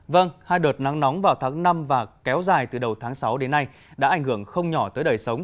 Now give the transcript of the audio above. vâng hai đợt nắng nóng vào tháng năm và kéo dài từ đầu tháng sáu đến nay đã ảnh hưởng không nhỏ tới đời sống